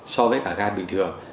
so với cả gan bình thường